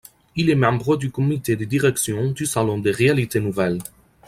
Il est membre du comité de direction du Salon des Réalités Nouvelles.